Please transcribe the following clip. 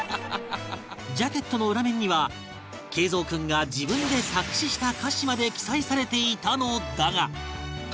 ジャケットの裏面には桂三君が自分で作詞した歌詞まで記載されていたのだが